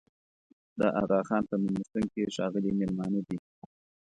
د اغاخان په مېلمستون کې ښاغلي مېلمانه دي.